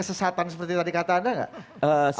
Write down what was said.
sesatan seperti tadi kata anda nggak